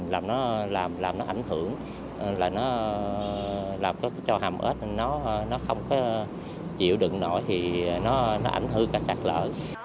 làm nó ảnh hưởng là nó làm cho hàm ếch nó không có chịu đựng nổi thì nó ảnh hưởng cả sạt lở